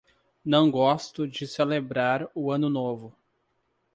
Não gosto de celebrar o ano novo